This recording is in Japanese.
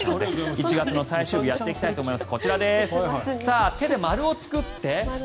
１月の最終日やっていきたいと思います。